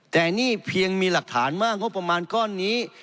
แต่นี่เพียงมีหลักฐานว่างบประมาณก้อนนี้